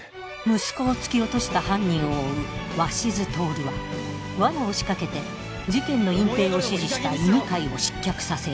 息子を突き落とした犯人を追う鷲津亨は罠を仕掛けて事件の隠蔽を指示した犬飼を失脚させる。